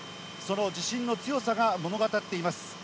その地震の強さが物語っています。